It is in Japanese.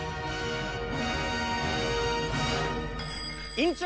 院長！